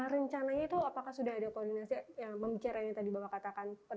rencananya itu apakah sudah ada koordinasi yang membicaraan yang tadi bapak katakan